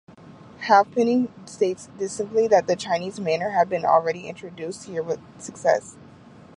Halfpenny states distinctly that "the Chinese manner" had been "already introduced here with success.